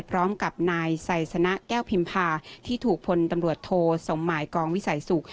พร้อมกับนายไซสนะแก้วพิมพาที่ถูกพลตำรวจโทสมหมายกองวิสัยสุข